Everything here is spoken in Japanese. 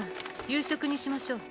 夕食にしましょう。